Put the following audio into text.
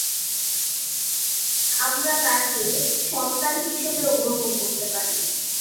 আমরা তাকে সন্তান হিসেবেও গ্রহণ করতে পারি।